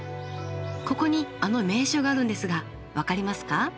ここにあの名所があるんですが分かりますか？